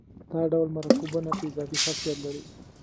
دا ډول مرکبونه تیزابي خاصیت لري.